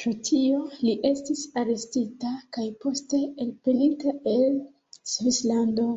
Pro tio, li estis arestita kaj poste elpelita el Svislando.